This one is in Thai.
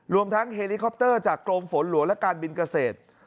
รวมทั้งเฮลิคอปเตอร์จากกรมฝนหลวงและการบินเกษตร